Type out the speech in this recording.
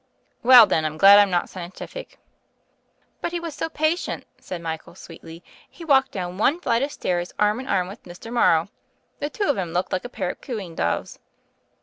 "Well, then, I'm glad I'm not scientific." "But he was so patient," said Michael sweetly. "He walked down one flight of stairs arm in arm with Mr. Morrow. The two of 'em looked like a pair of cooing doves."